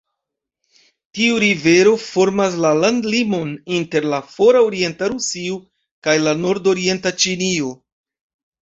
Tiu rivero formas la landlimon inter la fora orienta Rusio kaj la nordorienta Ĉinio.